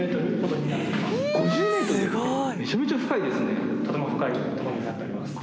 とても深い所になっております。